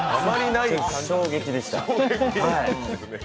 衝撃でした。